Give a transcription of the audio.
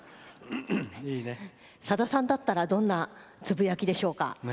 さださんだったらどんなつぶやきでしょうか？